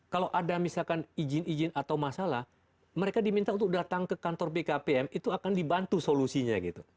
kalau ada misalkan izin izin atau masalah mereka diminta untuk datang ke kantor bkpm itu akan dibantu solusinya gitu